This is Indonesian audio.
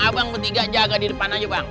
abang bertiga jaga di depan aja bang